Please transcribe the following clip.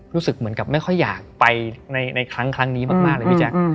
รู้สึกเหมือนกับไม่ค่อยอยากไปในครั้งนี้มากเลยพี่แจ๊ค